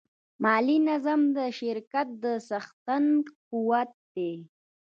مالي نظم د شرکت د څښتن قوت دی.